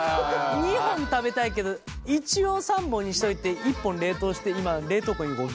２本食べたいけど一応３本にしといて１本冷凍して今冷凍庫にずらっと棒が。